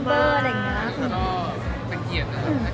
เพราะมันเกียรติแล้ว